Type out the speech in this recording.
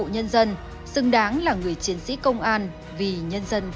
nhân dân xứng đáng là người chiến sĩ công an vì nhân dân phục vụ